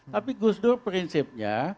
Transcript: tapi gus dur prinsipnya